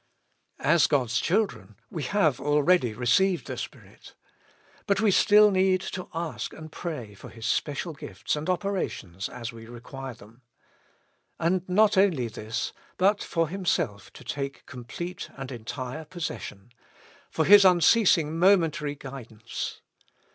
As God's children, we have already received the 59 With Christ in the School of Prayer. Spirit. But we still need to ask and pray for His special gifts and operations as we require them. And not only this, but for Himself to take complete and entire possession ; for His unceasing momentary guidance.